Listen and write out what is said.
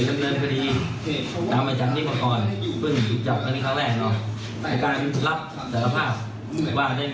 อยู่บ้างได้มีการรู้สิทธิดวงทั่วเมืองทำเพชร